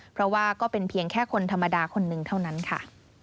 เพราะว่าก็เป็นเพียงแค่คนธรรมดาคนหนึ่งเท่านั้นค่ะ